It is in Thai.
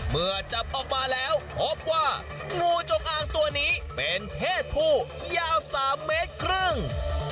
เมื่อจับออกมาแล้วพบว่างูจงอางตัวนี้เป็นเพศผู้ยาว๓เมตรครึ่ง